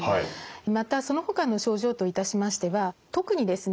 またそのほかの症状といたしましては特にですね